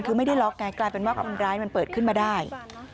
คือไม่ได้ล็อกไงกลายเป็นว่าคนร้ายมันเปิดขึ้นมาได้